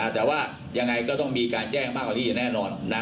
แต่ว่ายังไงก็ต้องมีการแจ้งมากกว่านี้อย่างแน่นอน